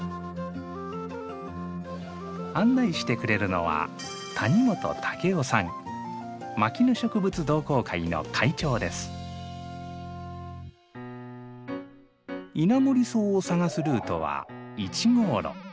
案内してくれるのはイナモリソウを探すルートは１号路。